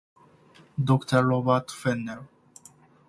Doctor Robert Fennell.